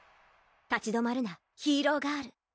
「立ち止まるなヒーローガール」